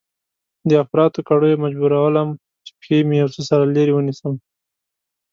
د اپراتو کړيو مجبورولم چې پښې مې يو څه سره لرې ونيسم.